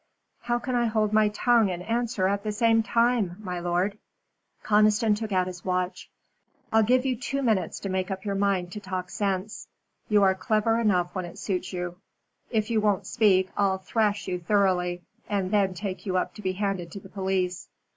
"How can I hold my tongue and answer at the same time, my lord?" Conniston took out his watch. "I'll give you two minutes to make up your mind to talk sense. You are clever enough when it suits you. If you won't speak, I'll thrash you thoroughly, and then take you up to be handed to the police."